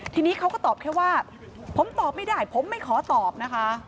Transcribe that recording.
ทีนี้เขาก็ตอบแค่ว่าผมตอบไม่ได้ผมไม่ขอตอบนะคะ